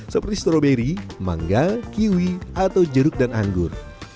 seperti stroberi mangga kiwi atau jeruk dan anggur